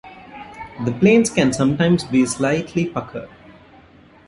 The planes can sometimes be slightly puckered.